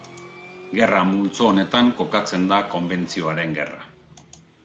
Gerra multzo honetan kokatzen da Konbentzioaren Gerra.